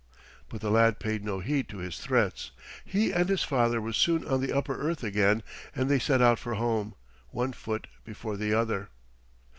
But the lad paid no heed to his threats. He and his father were soon on the upper earth again, and they set out for home, one foot before the other.